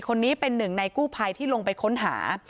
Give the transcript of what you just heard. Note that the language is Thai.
คนนี้เป็นหนึ่งในกู้ภัยที่ลงไปค้นหา